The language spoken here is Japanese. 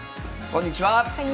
こんにちは。